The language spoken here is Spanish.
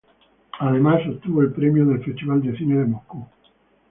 Además, obtuvo el Premio del Festival de Cine de Moscú.